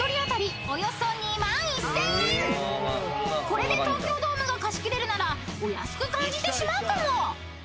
［これで東京ドームが貸し切れるならお安く感じてしまうかも］